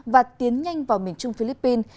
và tiến nhanh vào miền trung philippines